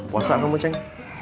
puasa kamu ceng